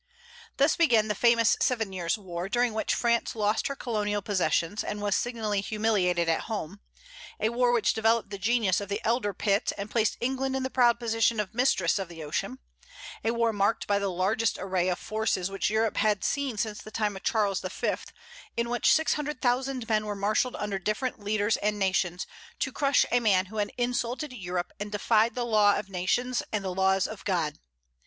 Thus began the famous Seven Years' War, during which France lost her colonial possessions, and was signally humiliated at home, a war which developed the genius of the elder Pitt, and placed England in the proud position of mistress of the ocean; a war marked by the largest array of forces which Europe had seen since the times of Charles V., in which six hundred thousand men were marshalled under different leaders and nations, to crush a man who had insulted Europe and defied the law of nations and the laws of God.